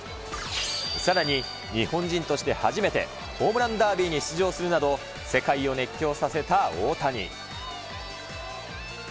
さらに日本人として初めてホームランダービーに出場するなど、世界を熱狂させた大谷。